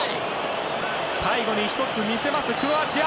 最後に１つ見せますクロアチア。